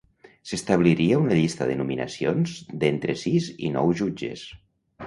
S'establiria una llista de nominacions d'entre sis i nou jutges.